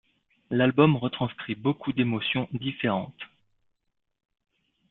L'album retranscrit beaucoup d'émotions différentes.